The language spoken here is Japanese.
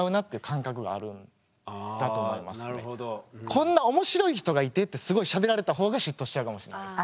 「こんな面白い人がいて」ってすごいしゃべられた方が嫉妬しちゃうかもしれないです。